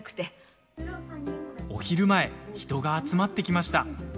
お昼前、人が集まって来ました。